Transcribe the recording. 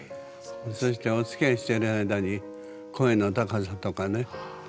そしておつきあいしている間に声の高さとかね